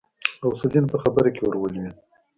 غوث الدين په خبره کې ورولوېد.